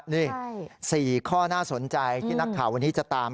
นี่๔ข้อน่าสนใจที่นักข่าววันนี้จะตาม